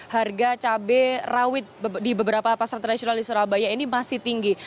harga cabai rawit di beberapa pasar tradisional di surabaya ini masih tinggi